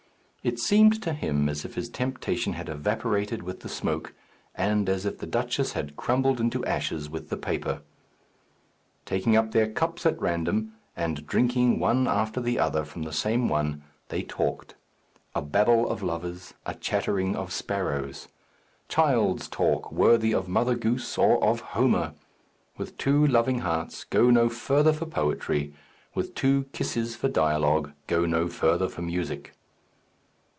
It seemed to him as if his temptation had evaporated with the smoke, and as if the duchess had crumbled into ashes with the paper. Taking up their cups at random, and drinking one after the other from the same one, they talked. A babble of lovers, a chattering of sparrows! Child's talk, worthy of Mother Goose or of Homer! With two loving hearts, go no further for poetry; with two kisses for dialogue, go no further for music.